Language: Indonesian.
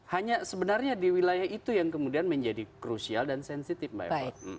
hanya sebenarnya di wilayah itu yang kemudian menjadi krusial dan sensitif mbak eva